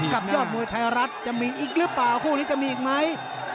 ยอดมวยไทยรัฐจะมีอีกหรือเปล่าคู่นี้จะมีอีกไหม